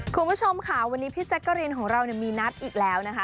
คุณผู้ชมค่ะวันนี้พี่แจ๊กกะรีนของเรามีนัดอีกแล้วนะคะ